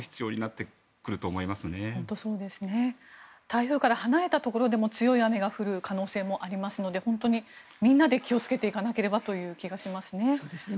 台風から離れたところでも強い雨が降る可能性もありますのでみんなで気をつけていかなければという気がしますね。